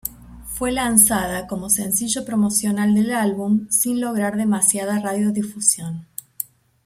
Fue lanzada como sencillo promocional del álbum sin lograr demasiada radiodifusión.